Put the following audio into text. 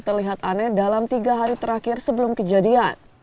terlihat aneh dalam tiga hari terakhir sebelum kejadian